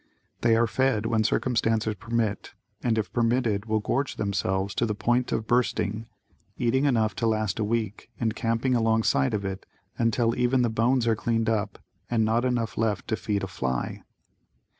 They are fed when circumstances permit and if permitted, will gorge themselves to the point of bursting, eating enough to last a week and camping alongside of it until even the bones are cleaned up and not enough left to feed a fly.